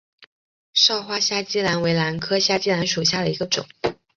少花虾脊兰为兰科虾脊兰属下的一个种。